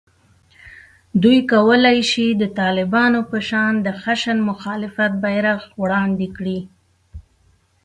دوی کولای شي د طالبانو په شان د خشن مخالفت بېرغ وړاندې کړي